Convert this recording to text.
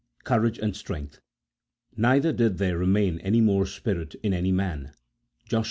Courage and strength: "Neither did there remain any more spirit in any man," Josh.